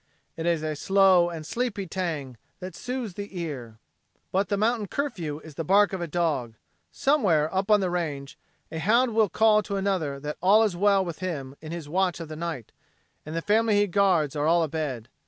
It is a slow and sleepy tang that soothes the ear. But the mountain curfew is the bark of a dog. Somewhere up on the range a hound will call to another that all is well with him in his watch of the night, and the family he guards are all abed.